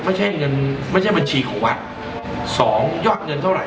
ไม่ใช่เงินไม่ใช่บัญชีของวัดสองยอดเงินเท่าไห